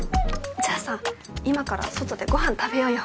じゃあさ今から外でごはん食べようよ。